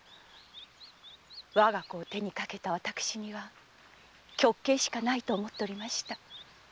我が子を手にかけた私には極刑しかないと思っていました。